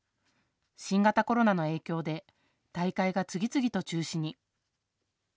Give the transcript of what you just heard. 新型コロナの影響で大会が次々と中止に。